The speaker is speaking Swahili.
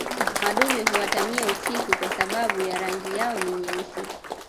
madume huatamia usiku kwa sababu ya rangi yao ni nyeusi